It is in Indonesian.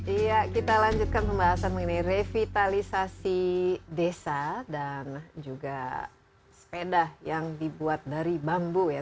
iya kita lanjutkan pembahasan mengenai revitalisasi desa dan juga sepeda yang dibuat dari bambu ya